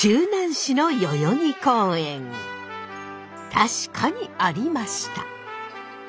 確かにありました。